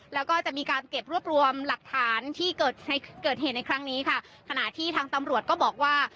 แล้วก็จะมีการเก็บรวบรวมหลักฐานที่เกิดในเกิดเหตุในครั้งนี้ค่ะขณะที่ทางตำรวจก็บอกว่า